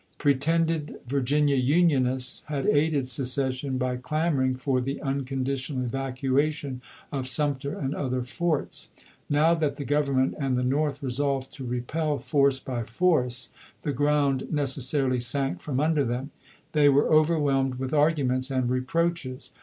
Pretended Virginia Unionists had aided secession by clamoring for the unconditional evac uation of Sumter and other forts. Now that the THE NATIONAL UPRISING 91 Government and the North resolved to repel force chap. v. by force, the ground necessarily sank from under them. They were overwhelmed with arguments and reproaches.